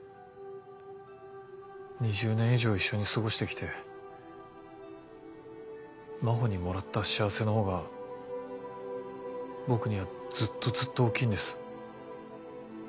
２０年以上一緒に過ごして来て真帆にもらった幸せのほうが僕にはずっとずっと大きいんです。